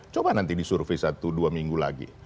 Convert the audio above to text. coba nanti disurvey satu dua minggu lagi